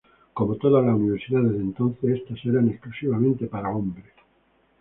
Como todas las universidades de entonces, estas eran exclusivamente para hombres.